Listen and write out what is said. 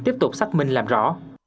tiếp tục xác minh làm rõ